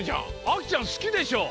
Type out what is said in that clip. あきちゃんすきでしょ？